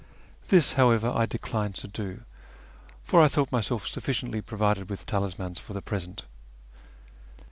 This, however, I declined to do, for I thought myself sufficiently provided with talismans for the present.